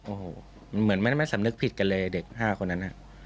โอ้โหเหมือนไม่ได้ไม่สำนึกผิดกันเลยเด็ก๕คนนั้น